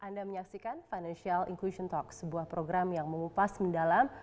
anda menyaksikan financial inclusion talk sebuah program yang mengupas mendalam